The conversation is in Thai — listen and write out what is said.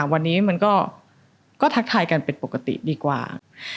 วันนี้มันก็ทักทายกันเป็นปกติดีกว่า